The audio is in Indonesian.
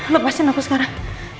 lepaskan aku sekarang